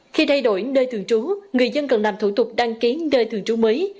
khi thay đổi nơi thường trú người dân cần làm thủ tục đăng ký nơi thường trú mới